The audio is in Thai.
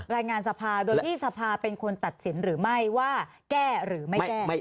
รายงานสภาโดยที่สภาเป็นคนตัดสินหรือไม่ว่าแก้หรือไม่แก้